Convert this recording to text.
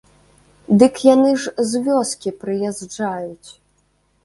Дык яны ж з вёскі прыязджаюць.